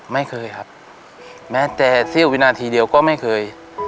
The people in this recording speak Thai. ไม่เคยครับแม้แต่เสี้ยววินาทีเดียวก็ไม่เคย